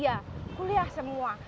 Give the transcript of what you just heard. iya kuliah semua